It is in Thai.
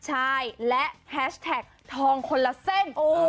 ใช่และแฮชแท็กทองคนละเส้น